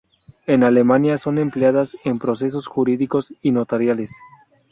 En Alemania, son empleadas en procesos jurídicos y notariales.